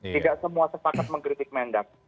tidak semua sepakat mengkritik mendak